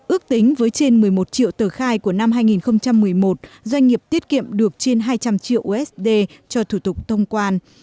ước tính với trên một mươi một triệu tờ khai của năm hai nghìn một mươi một doanh nghiệp tiết kiệm được trên hai trăm linh triệu usd cho thủ tục thông quan